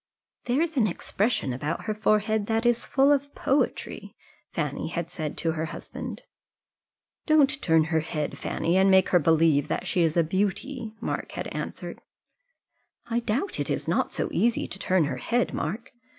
"There is an expression about her forehead that is full of poetry," Fanny had said to her husband. "Don't you turn her head, Fanny, and make her believe that she is a beauty," Mark had answered. "I doubt it is not so easy to turn her head, Mark.